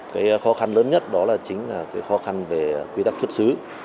cái khó khăn lớn nhất đó là chính là cái khó khăn về quy tắc xuất xứ